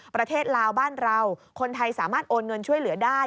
ประเทศลาวบ้านเราคนไทยสามารถโอนเงินช่วยเหลือได้